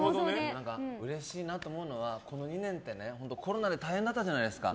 うれしいなと思うのはこの２年ってコロナで大変だったじゃないですか。